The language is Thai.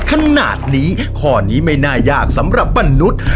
ขนาดนี้ข้อนี้ไม่น่ายากสำหรับมนุษย์